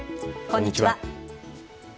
こんにちは。